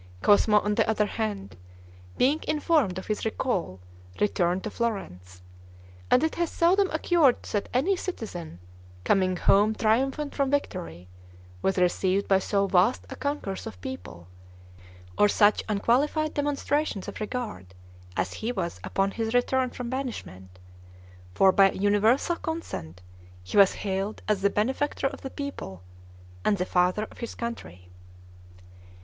Cosmo, on the other hand, being informed of his recall, returned to Florence; and it has seldom occurred that any citizen, coming home triumphant from victory, was received by so vast a concourse of people, or such unqualified demonstrations of regard as he was upon his return from banishment; for by universal consent he was hailed as the benefactor of the people, and the FATHER OF HIS COUNTRY.